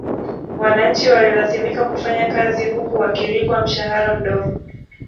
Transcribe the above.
Wananchi walilazimika kufanya kazi huku wakilipwa mshahara mdogo